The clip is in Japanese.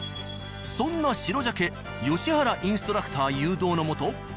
そんな白ジャケ吉原インストラクター誘導の下